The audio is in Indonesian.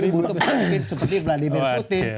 berani berani berani